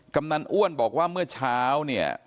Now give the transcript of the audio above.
กำนันอ้วนบอกว่าเมื่อเช้าเนี่ย